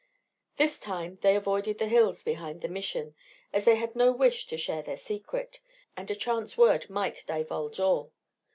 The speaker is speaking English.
This time they avoided the hills behind the Mission, as they had no wish to share their secret, and a chance word might divulge all.